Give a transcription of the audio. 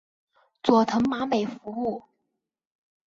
佐藤麻美服务。